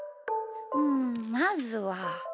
うんまずは。